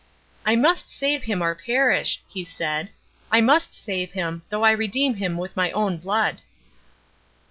"I must save him or perish," he said. "I must save him, though I redeem him with my own blood."